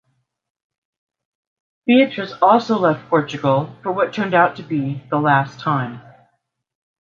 Beatrice also left Portugal for what turned out to be the last time.